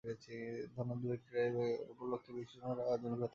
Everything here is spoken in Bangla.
ধনাঢ্য ব্যক্তিরা এ উপলক্ষে বিশেষ অনুষ্ঠানের আয়োজন করে থাকেন।